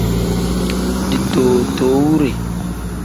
Ditootowure.